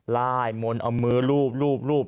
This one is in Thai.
ลายมนตร์เอามือรูปรูปรูป